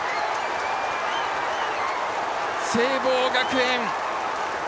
聖望学園